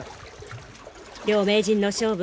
両名人の勝負